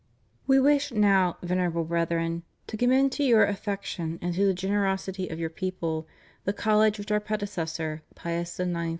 We wish now. Venerable Brethren, to commend to your affection and to the generosity of your people the college which Our predecessor, Pius IX.